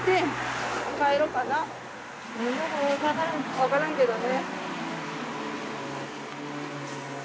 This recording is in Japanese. わからんけどね。